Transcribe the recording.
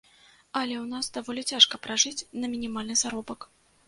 Але ў нас даволі цяжка пражыць на мінімальны заробак.